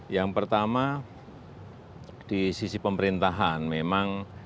yang pertama di sisi pemerintahan memang